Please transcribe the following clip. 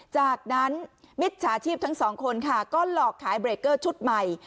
จากนั้นมิจฉาชีพทั้งสองคนค่ะก็หลอกขายเบรกเกอร์ชุดใหม่